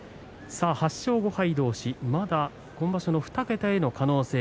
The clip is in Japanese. ８勝５敗同士まだ今場所２桁の可能性。